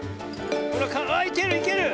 ほらあっいけるいける！